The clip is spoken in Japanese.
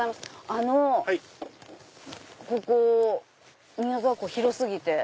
あのここ宮沢湖広過ぎて。